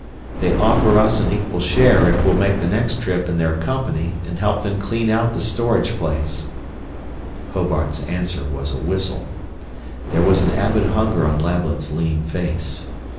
They offer us an equal share if we'll make the next trip in their company and help them clean out the storage place " Hobart's answer was a whistle. There was an avid hunger on Lablet's lean face.